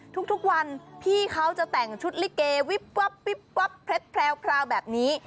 ทุกวันพี่เขาจะแต่งชุดลิเกวิบวับวิบวับเพล็ดแพรวแบบนี้